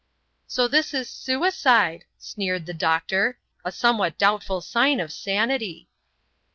"So this is suicide," sneered the doctor; "a somewhat doubtful sign of sanity."